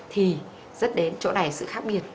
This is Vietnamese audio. thì rất đến chỗ này sự khác biệt